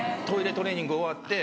トレーニング終わって。